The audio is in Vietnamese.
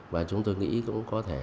và chúng tôi nghĩ cũng có thể